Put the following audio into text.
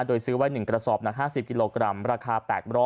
โดยซื้อไว้๑กระสอบหนัก๕๐กิโลกรัมราคา๘๐๐